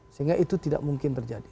sehingga itu tidak mungkin terjadi